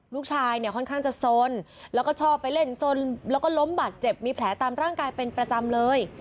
ลูกชายเนี่ยค่อนข้างจะสนแล้วก็ชอบไปเล่นสนแล้วก็ล้มบาดเจ็บมีแผลตามร่างกายเป็นประจำเลย